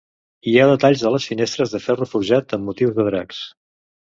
Hi ha detalls de les finestres de ferro forjat amb motius de dracs.